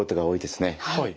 はい。